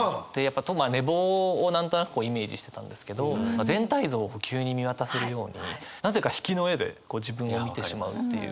と寝坊を何となくイメージしてたんですけど全体像を急に見渡せるようになぜか引きの絵で自分を見てしまうという。